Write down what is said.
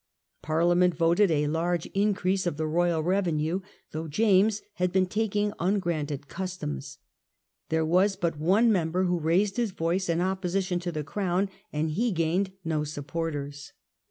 Parliament voted a large increase of the royal revenue, though James had been taking ungranted customs. There was but one member who raised his voice in opposition to the crown, and he gained no supporters.